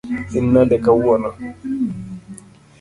In nade kawuono?